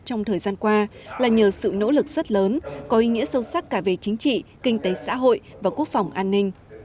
trong thời gian qua là nhờ sự nỗ lực rất lớn có ý nghĩa sâu sắc cả về chính trị kinh tế xã hội và quốc phòng an ninh